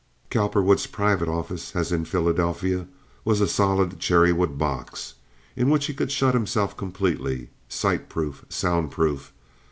Cowperwood's private office, as in Philadelphia, was a solid cherry wood box in which he could shut himself completely—sight proof, sound proof.